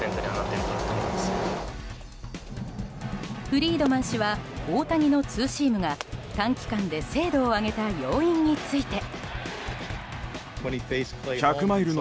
フリードマン氏は大谷のツーシームが短期間で精度を上げた要因について。